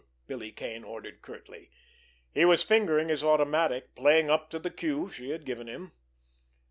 Billy Kane ordered curtly. He was fingering his automatic, playing up to the cue she had given him.